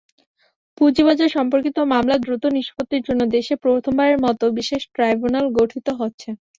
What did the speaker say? পুঁজিবাজার-সম্পর্কিত মামলা দ্রুত নিষ্পত্তির জন্য দেশে প্রথমবারের মতো বিশেষ ট্রাইব্যুনাল গঠিত হচ্ছে।